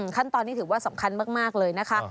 ขั้นตอนนี้ถือว่าสำคัญมากเลยนะคะ